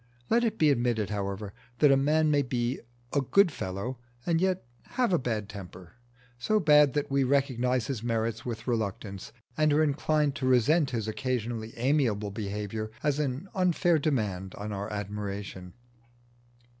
Let it be admitted, however, that a man may be "a good fellow" and yet have a bad temper, so bad that we recognise his merits with reluctance, and are inclined to resent his occasionally amiable behaviour as an unfair demand on our admiration.